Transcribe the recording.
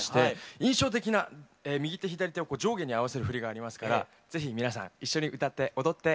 印象的な右手左手を上下に合わせる振りがありますから是非皆さん一緒に歌って踊っておくレオン。